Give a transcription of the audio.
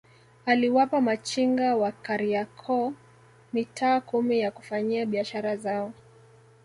Aliwapa machinga wa Kariakoo mitaa kumi ya kufanyia biashara zao